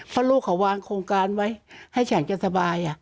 เพราะลูกเขาวางโครงการไว้ให้ฉันจะสบาย